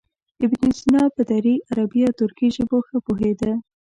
ابن سینا په دري، عربي او ترکي ژبو ښه پوهېده.